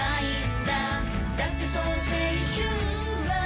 だってそう青春は